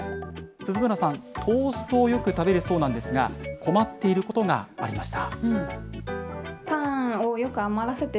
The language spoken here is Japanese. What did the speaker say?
鈴村さん、トーストをよく食べるそうなんですが、困っていることがありました。